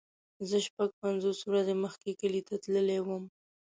زه شپږ پنځوس ورځې مخکې کلی ته تللی وم.